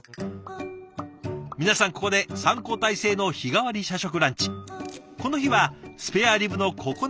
皆さんここで３交代制の日替わり社食ランチ。